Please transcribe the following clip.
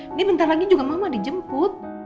ini bentar lagi juga mama dijemput